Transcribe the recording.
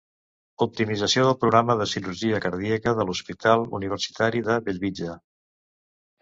Optimització del Programa de Cirurgia Cardíaca de l'Hospital Universitari de Bellvitge.